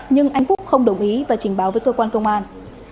nhưng anh phúc không đồng ý và trình báo với cơ quan công an